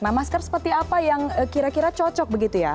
nah masker seperti apa yang kira kira cocok begitu ya